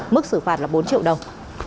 mức xử phạt là bốn triệu đồng